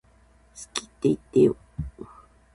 好きって言ってよ